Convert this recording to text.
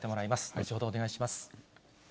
後ほどお願いします。